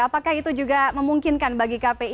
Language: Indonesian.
apakah itu juga memungkinkan bagi kpi